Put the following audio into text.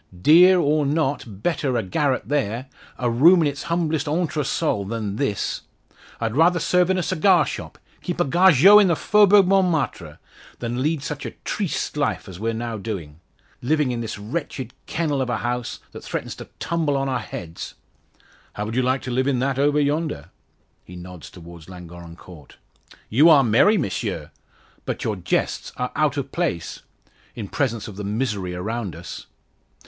Dear, or not, better a garret there a room in its humblest entresol than this. I'd rather serve in a cigar shop keep a gargot in the Faubourg Montmartre than lead such a triste life as we're now doing. Living in this wretched kennel of a house, that threatens to tumble on our heads!" "How would you like to live in that over yonder?" He nods towards Llangorren Court. "You are merry, Monsieur. But your jests are out of place in presence of the misery around us."